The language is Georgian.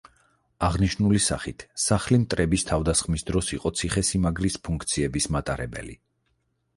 აღნიშნული სახით სახლი მტრების თავდასხმის დროს იყო ციხესიმაგრის ფუნქციების მატარებელი.